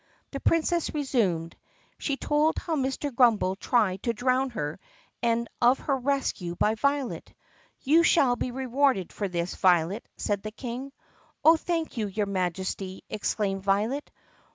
The Princess resumed. She told how Mr. Grummbel tried to drown her and of her rescue by Violet. "You shall be rewarded for this, Violet," said the King. "Oh, thank you, your Majesty!" exclaimed Violet.